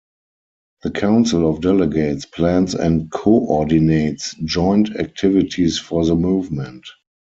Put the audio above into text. The Council of Delegates plans and coordinates joint activities for the Movement.